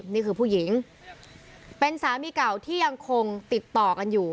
นี่คือผู้หญิงเป็นสามีเก่าที่ยังคงติดต่อกันอยู่